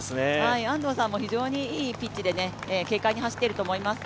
安藤さんも非常にいいピッチで軽快に走っていると思います。